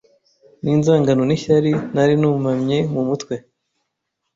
ninzangano nishyari Nari nunamye mu mutwe